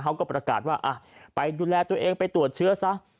เขาก็ประกาศว่าไปดูแลตัวเองไปตรวจเชื้อซะ